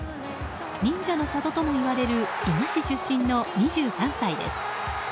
忍者の里ともいわれる伊賀市出身の２３歳です。